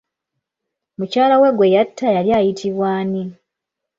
Mukyala we gwe yatta yali ayitibwa ani?